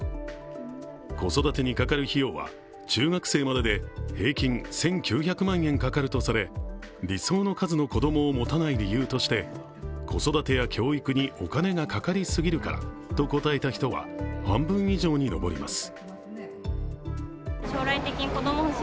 子育てにかかる費用は中学生までで平均１９００万円かかるとされ、理想の数の子供を持たない理由として、子育てや教育にお金がかかりすぎるからと答えた人は半分以上に上ります。